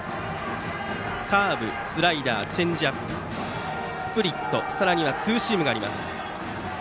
カーブ、スライダーチェンジアップスプリット、さらにはツーシームがあります。